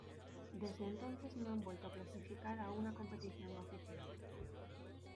Desde entonces no han vuelto a clasificar a una competición oficial.